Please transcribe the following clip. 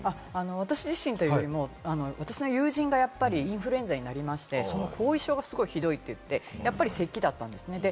私自身というよりも私の友人がやっぱりインフルエンザになりまして、その後遺症がひどくて、やっぱりせきだったんですね。